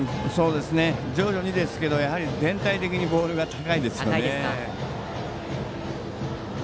徐々にですが全体的にボールが高いですね。